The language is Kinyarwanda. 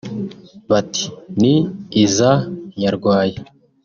Bati “ Ni iza Nyarwaya”